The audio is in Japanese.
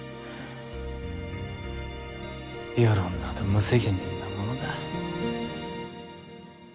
世論など無責任なものだ。